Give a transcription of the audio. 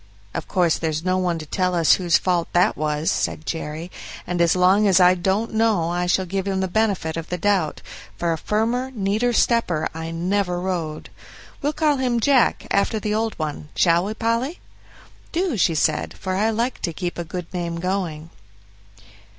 "Of course there's no one to tell us whose fault that was," said Jerry, "and as long as I don't know I shall give him the benefit of the doubt; for a firmer, neater stepper I never rode. We'll call him 'Jack', after the old one shall we, Polly?" "Do," she said, "for I like to keep a good name going."